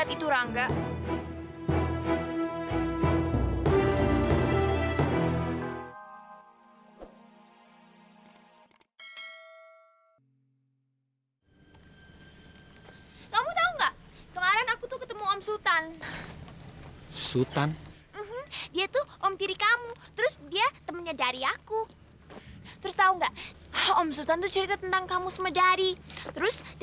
aku surprise banget